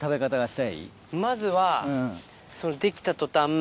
まずは。